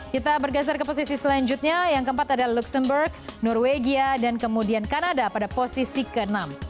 kita bergeser ke posisi selanjutnya yang keempat adalah luxembourg norwegia dan kemudian kanada pada posisi ke enam